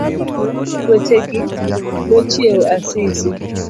Wechegi nochiewo Asisi.